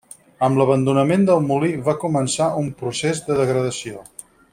Amb l'abandonament el molí va començar un procés de degradació.